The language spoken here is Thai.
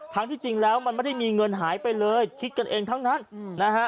ที่จริงแล้วมันไม่ได้มีเงินหายไปเลยคิดกันเองทั้งนั้นนะฮะ